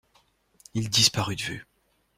Il disparut de vue.